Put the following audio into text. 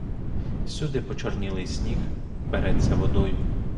Всюди почорнілий сніг береться водою.